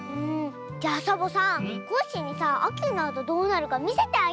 じゃあサボさんコッシーにさあきになるとどうなるかみせてあげようよ。